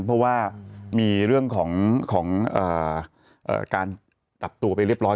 เพราะว่ามีเรื่องของการจับตัวไปเรียบร้อย